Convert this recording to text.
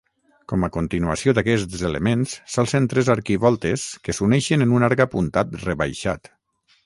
Com a continuació d'aquests elements s'alcen tres arquivoltes que s'uneixen en un arc apuntat rebaixat.